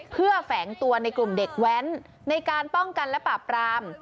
เพื่อแฝงตัวในกลุ่มเด็กแว้นในการป้องกันและปราบราม